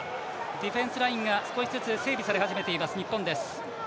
ディフェンスラインが少しずつ整備され始めている日本。